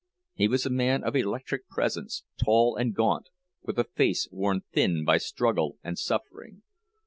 He was a man of electric presence, tall and gaunt, with a face worn thin by struggle and suffering.